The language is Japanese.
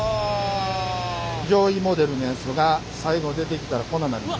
上位モデルのやつが最後出てきたらこんなんなります。